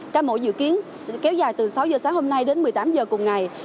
ca mổ dự kiến kéo dài từ sáu h sáng hôm nay đến một mươi tám h cùng ngày